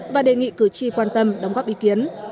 và đề nghị cử tri quan tâm đóng góp ý kiến